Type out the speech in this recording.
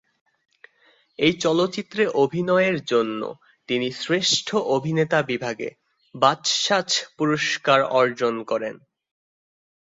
এই চলচ্চিত্রে অভিনয়ের জন্য তিনি শ্রেষ্ঠ অভিনেতা বিভাগে বাচসাস পুরস্কার অর্জন করেন।